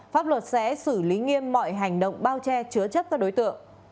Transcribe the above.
pháp luật sẽ xử lý nghiêm mọi hành động bao che chứa chấp các đối tượng